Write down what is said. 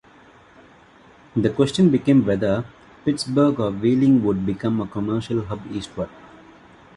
The question became whether Pittsburgh or Wheeling would become a commercial hub eastward.